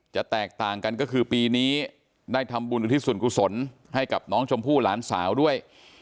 แตกต่างกันก็คือปีนี้ได้ทำบุญอุทิศส่วนกุศลให้กับน้องชมพู่หลานสาวด้วย